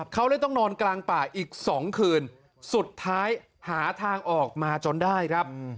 เขาเลยต้องนอนกลางป่าอีก๒คืนสุดท้ายหาทางออกมาจนได้ครับ